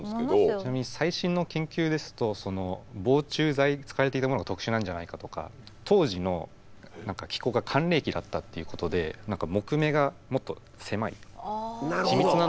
ちなみに最新の研究ですと防虫剤で使われていたものが特殊なんじゃないかとか当時の気候が寒冷期だったっていうことで何か木目がもっと狭い緻密なので。